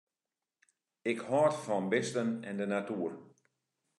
Ik hâld fan bisten en de natuer.